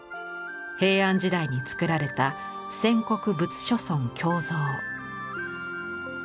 平安時代に作られた「線刻仏諸尊鏡像」。